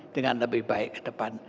dengan lebih baik ke depan